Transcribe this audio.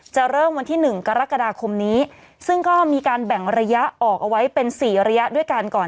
จะเริ่มวันที่หนึ่งกรกฎาคมนี้ซึ่งก็มีการแบ่งระยะออกไว้เป็นสี่ระยะด้วยกัน